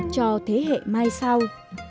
cho thế hệ mai sau